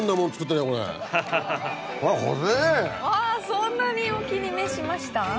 そんなにお気に召しました？